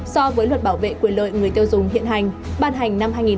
so với luật bảo vệ quyền lợi người tiêu dùng hiện hành ban hành năm hai nghìn một mươi bảy